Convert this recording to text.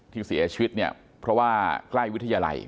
ที่เสียชีวิตเนี่ยเพราะว่าใกล้วิทยาลัย